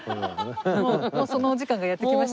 もうそのお時間がやって来ました？